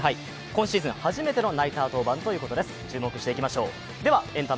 今シーズン初めてのナイター登板です。